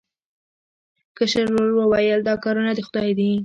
کشر ورور وویل دا کارونه د خدای دي.